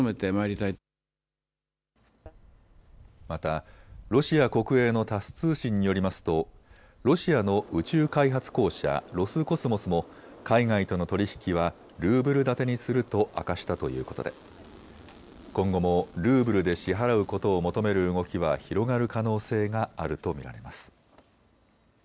また、ロシア国営のタス通信によりますとロシアの宇宙開発公社ロスコスモスも海外との取り引きはルーブル建てにすると明かしたということで今後もルーブルで支払うことを求める動きは広がる可能性があると見られます。